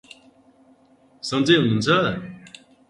सन्चै हुनुहुन्छ ।